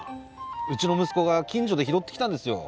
うちの息子が近所で拾ってきたんですよ